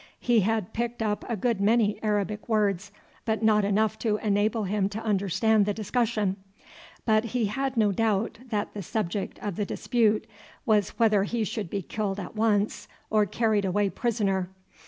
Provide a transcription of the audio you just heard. He had picked up a good many Arabic words, but not enough to enable him to understand the discussion; but he had no doubt that the subject of dispute was whether he should be killed at once or carried away prisoner.